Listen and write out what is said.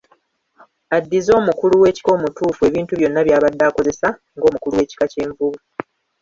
Addize omukulu w'ekika omutuufu, ebintu byonna by'abadde akozesa nga omukulu w'ekika ky'envubu.